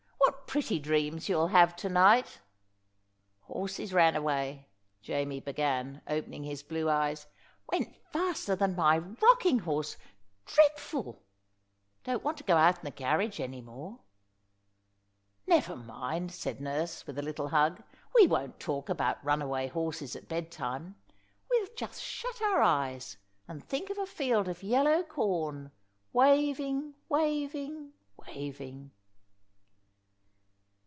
"What pretty dreams you'll have to night!" "Horses ran away," Jamie began, opening his blue eyes. "Went faster than my rocking horse! Dreadful! Don't want to go out in the carriage any more." "Never mind," said nurse, with a little hug, "we won't talk about runaway horses at bedtime. We'll just shut our eyes and think of a field of yellow corn, waving, waving, waving."